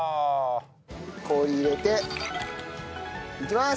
氷入れていきます。